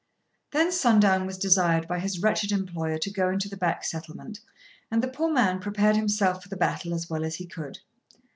Then Sundown was desired by his wretched employer to go into the back settlement and the poor man prepared himself for the battle as well as he could.